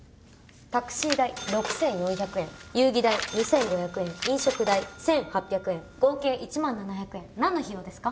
タクシー代６，４００円遊戯代２，５００円飲食代１，８００円合計１万７００円何の費用ですか？